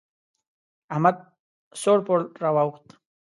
احمد سوړ پوړ را واوښت.